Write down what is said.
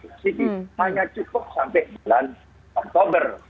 ini hanya cukup sampai bulan oktober